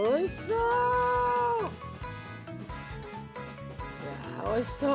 うわおいしそう。